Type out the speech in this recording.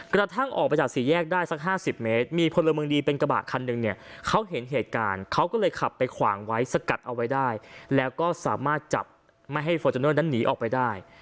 กระทั่งออกไปจากสี่แยกได้สัก๕๐เมตรมีพลเมืองดีเป็นกระบะคันหนึ่งเนี่ยเขาเห็นเหตุการณ์เขาก็เลยขับไปขวางไว้สกัดเอาไว้ได้แล้วก็สามารถจับไม่ให้ฟอร์จูเนอร์นั้นหนีออกไปได้